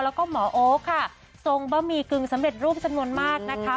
แล้วก็หมอโอ๊คค่ะส่งบะหมี่กึ่งสำเร็จรูปจำนวนมากนะคะ